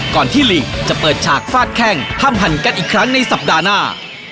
ที่ลีกจะเปิดฉากฟาดแข้งห้ามหันกันอีกครั้งในสัปดาห์หน้า